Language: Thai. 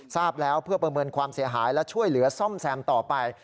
ทราบแล้วเพื่อประเมินความเสียหายและช่วยเหลือซ่อมแซมต่อไป